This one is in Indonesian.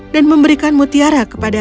dan memberikan mutiara kepada